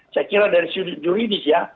saya kira dari sudut juridis ya